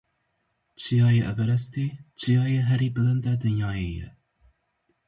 Çiyayê Everestê, çiyayê herî bilind ê dinyayê ye.